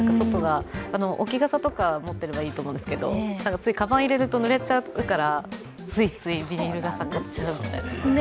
置き傘とか持っていればいいと思うんですけど鞄入れるとぬれちゃうからついついビニール傘買っちゃうみたいな。